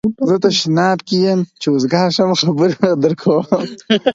زه تشناب کی یم چی اوزګار شم خبر درکوم